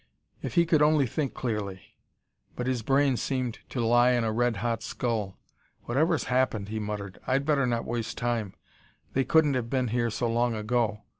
If he could only think clearly! But his brain seemed to lie in a red hot skull. "Whatever's happened," he muttered, "I'd better not waste time; they couldn't have been here so long ago.